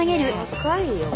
若いよ。